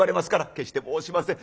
「決して申しません。